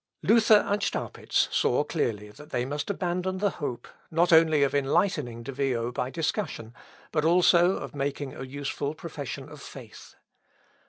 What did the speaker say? Luther and Staupitz saw clearly that they must abandon the hope, not only of enlightening De Vio by discussion, but also of making a useful profession of faith.